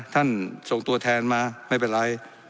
ส่งตัวแทนมาไม่เป็นไร